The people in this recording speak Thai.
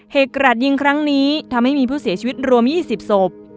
กราดยิงครั้งนี้ทำให้มีผู้เสียชีวิตรวม๒๐ศพ